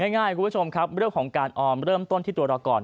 ง่ายคุณผู้ชมครับเรื่องของการออมเริ่มต้นที่ตัวเราก่อน